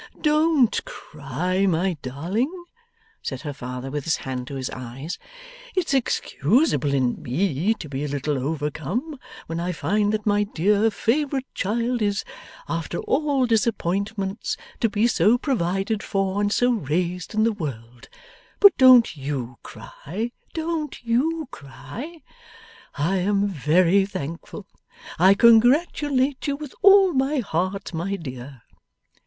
'Don't cry, my darling,' said her father, with his hand to his eyes; 'it's excusable in me to be a little overcome when I find that my dear favourite child is, after all disappointments, to be so provided for and so raised in the world; but don't YOU cry, don't YOU cry. I am very thankful. I congratulate you with all my heart, my dear.